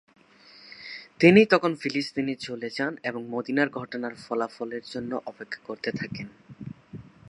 তিনি তখন ফিলিস্তিনে চলে যান এবং মদিনার ঘটনার ফলাফলের জন্য অপেক্ষা করতে থাকেন।